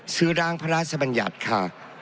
ร่างพระราชบัญญัติค่ะ